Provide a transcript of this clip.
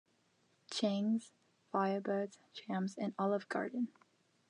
Changs, Firebirds, Champps, and Olive Garden.